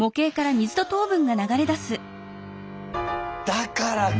だからか！